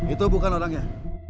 itu bukan orangnya